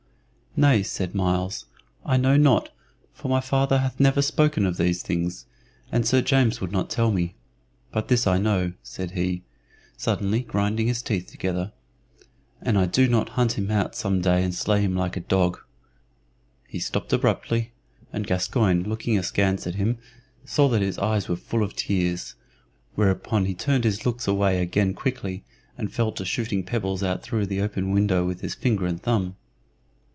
"Nay," said Myles, "I know not, for my father hath never spoken of these things, and Sir James would not tell me. But this I know," said he, suddenly, grinding his teeth together, "an I do not hunt him out some day and slay him like a dog " He stopped abruptly, and Gascoyne, looking askance at him, saw that his eyes were full of tears, whereupon he turned his looks away again quickly, and fell to shooting pebbles out through the open window with his finger and thumb.